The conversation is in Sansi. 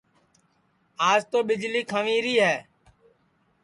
آج تو ٻݪی کھنٚویری ہے